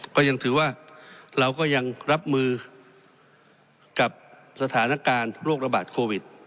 ก็ยังถือว่าเราก็ยังรับมือกับสถานการณ์โรคระบาดโควิด